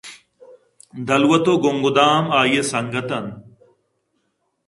دلوت ءُ گُنگدام آئی ءِ سنگت اَنت